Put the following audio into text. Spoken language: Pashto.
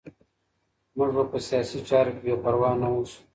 موږ به په سياسي چارو کي بې پروا نه اوسو.